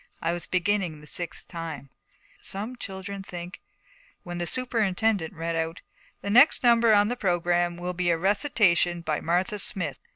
I was beginning the sixth time, 'Some children think, ' when the superintendent read out, 'The next number on the programme will be a recitation by Martha Smith.'